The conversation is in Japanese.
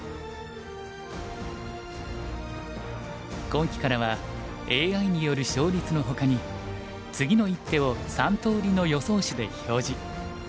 今期からはＡＩによる勝率のほかに次の一手を３通りの予想手で表示。